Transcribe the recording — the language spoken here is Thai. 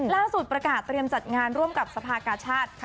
ล่าสุดประกาศเตรียมจัดงานร่วมกับสภากาชาติ